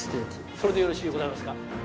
それでよろしゅうございますか？